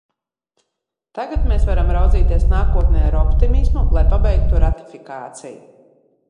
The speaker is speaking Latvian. Tagad mēs varam raudzīties nākotnē ar optimismu, lai pabeigtu ratifikāciju.